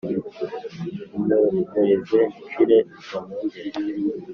umpumurize nshire izo mpungenge